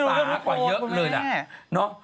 รวดสาหกว่าเยอะเลยนะ